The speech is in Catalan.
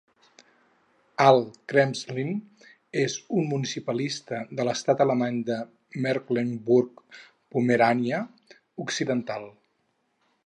Alt Krenzlin és un municipalista de l'estat alemany de Mecklemburg-Pomerània Occidental.